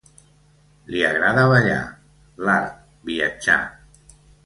Li agrada ballar, l'art, viatjar.